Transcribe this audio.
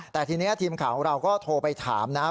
แต่ทีนี้ทีมข่าวของเราก็โทรไปถามนะ